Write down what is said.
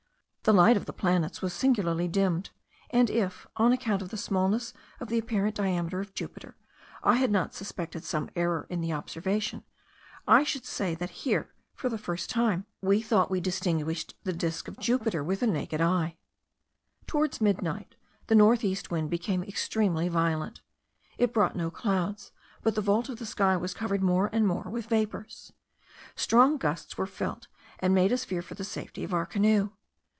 The light of the planets was singularly dimmed; and if, on account of the smallness of the apparent diameter of Jupiter, I had not suspected some error in the observation, I should say, that here, for the first time, we thought we distinguished the disk of Jupiter with the naked eye. Towards midnight, the north east wind became extremely violent. It brought no clouds, but the vault of the sky was covered more and more with vapours. Strong gusts were felt, and made us fear for the safety of our canoe.